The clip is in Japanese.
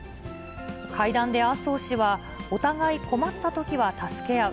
会談で麻生氏は、お互い困ったときは助け合う。